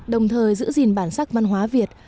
đồng thời giữ gìn bản sắc văn hóa việt